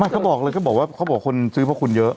เขาบอกเลยเขาบอกว่าเขาบอกคนซื้อเพราะคุณเยอะ